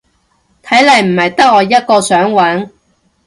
睇嚟唔係得我一個想搵